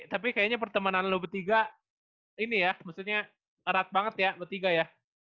tapi kayaknya pertemanan loga ini ya maksudnya erat banget ya bertiga ya